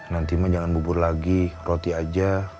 nanti mah jangan bubur lagi roti aja